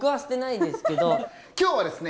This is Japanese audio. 今日はですね